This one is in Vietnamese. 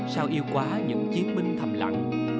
sao yêu quá những chiến binh thầm lặng